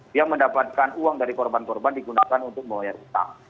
dia mendapatkan uang dari korban korban digunakan untuk membayar utang